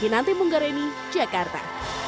hinanti munggareni jakarta